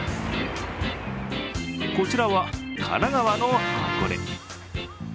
こちらは神奈川の箱根。